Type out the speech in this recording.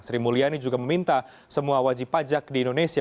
sri mulyani juga meminta semua wajib pajak di indonesia